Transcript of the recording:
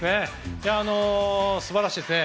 素晴らしいですね。